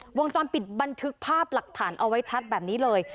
วงจรปิดบันทึกภาพหลักฐานเอาไว้ชัดแบบนี้เลย